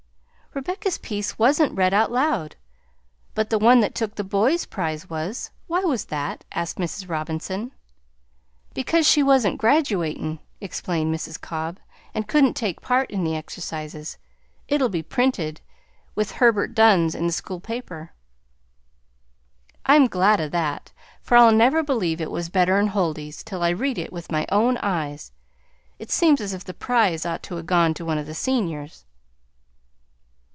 "Rebecca's piece wan't read out loud, but the one that took the boy's prize was; why was that?" asked Mrs. Robinson. "Because she wan't graduatin'," explained Mrs. Cobb, "and couldn't take part in the exercises; it'll be printed, with Herbert Dunn's, in the school paper." "I'm glad o' that, for I'll never believe it was better 'n Huldy's till I read it with my own eyes; it seems as if the prize ought to 'a' gone to one of the seniors."